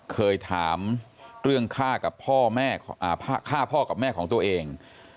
เคยถามเรื่องฆ่าพ่อกับแม่ของตัวเอง